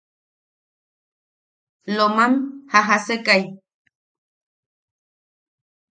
Lomam jajasekai.